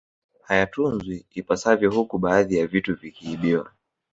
Hayatunzwi ipasavyo huku baadhi ya vitu vikiibwa